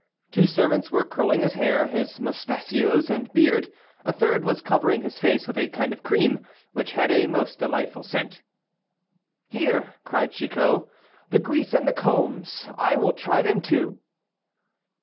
Two servants were curling his hair, his mustachios, and beard, a third was covering his face with a kind of cream, which had a most delightful scent. "Here," cried Chicot, "the grease and the combs, I will try them too."